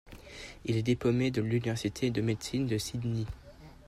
Il est diplômé de l'Université de médecine de Sydney.